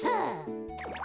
あ。